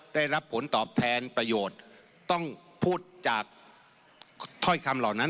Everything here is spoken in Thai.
ได้รับผลตอบแทนประโยชน์ต้องพูดจากถ้อยคำเหล่านั้น